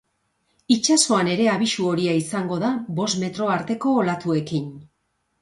Itsasoan ere abisu horia izango da, bost metro arteko olatuekin.